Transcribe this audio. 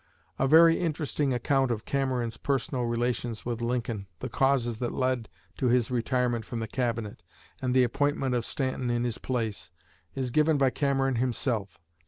A very interesting account of Cameron's personal relations with Lincoln, the causes that led to his retirement from the Cabinet, and the appointment of Stanton in his place, is given by Cameron himself.